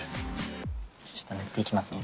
じゃちょっと塗っていきますね。